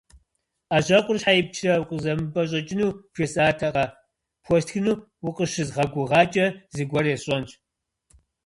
Ӏэжьэкъур щхьэ ипчрэ, укъызэмыпӀэщӀэкӀыну бжесӀатэкъэ, пхуэстхыну укъыщызгъэгугъакӀэ, зыгуэр есщӀэнщ.